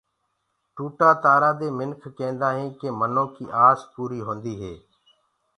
ٽوٽآ تآرآ دي مِنک ڪيندآ هينٚ ڪي منو ڪيٚ آس پوري هونديٚ هي۔